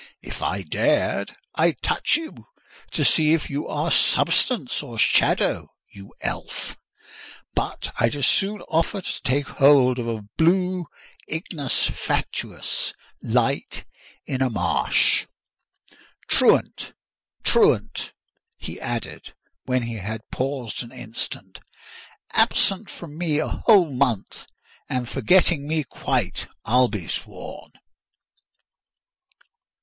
If I dared, I'd touch you, to see if you are substance or shadow, you elf!—but I'd as soon offer to take hold of a blue ignis fatuus light in a marsh. Truant! truant!" he added, when he had paused an instant. "Absent from me a whole month, and forgetting me quite, I'll be sworn!"